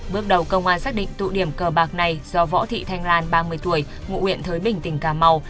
bước đầu công an xác định tụ điểm cờ bạc này do võ thị thanh lan ba mươi tuổi ngụ huyện thới bình tỉnh cà mau